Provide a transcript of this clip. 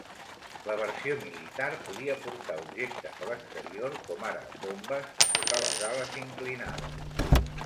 La versió militar podia portar objectes a l'exterior, com ara bombes, sota les ales inclinades.